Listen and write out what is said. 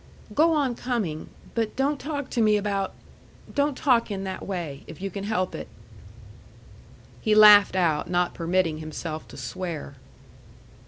"Go on coming. But don't talk to me about don't talk in that way if you can help it." He laughed out, not permitting himself to swear.